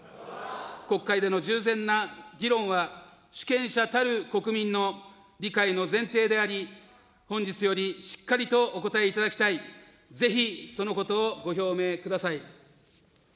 国会での十全な議論は、主権者たる国民の理解の前提であり、本日よりしっかりとお答えいただきたい、ぜひそのことをご表明ください。